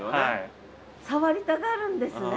触りたがるんですね？